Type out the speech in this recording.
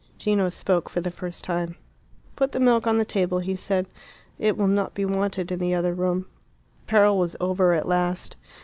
Gino spoke for the first time. "Put the milk on the table," he said. "It will not be wanted in the other room." The peril was over at last.